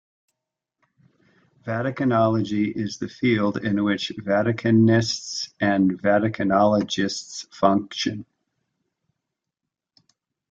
Vaticanology is the field in which Vaticanists and Vaticanologists function.